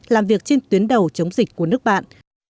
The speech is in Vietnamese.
làm việc trên tuyến đầu chống dịch của nước bạn